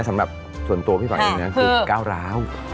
อย่างแบบส่วนตัวพี่ฟังเองนะคือก้าวร้าว